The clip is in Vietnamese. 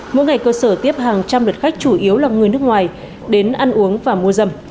mỗi ngày cơ sở tiếp hàng trăm lượt khách chủ yếu là người nước ngoài đến ăn uống và mua dâm